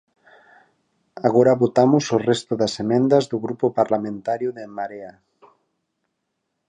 Agora votamos o resto das emendas do Grupo Parlamentario de En Marea.